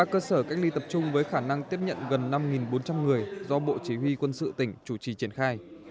một mươi cơ sở cách ly tập trung với khả năng tiếp nhận gần năm bốn trăm linh người do bộ chỉ huy quân sự tỉnh chủ trì triển khai